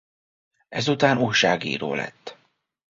Ezután újságíró lett.